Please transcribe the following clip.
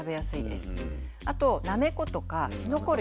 あとなめことかきのこ類。